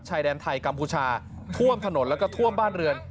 ชายแดนไทยกัมพูชาท่วมถนนแล้วก็ท่วมบ้านเรือน